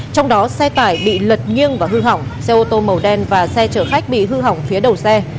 trong đó xe tải bị lật nghiêng và hư hỏng xe ô tô màu đen và xe chở khách bị hư hỏng phía đầu xe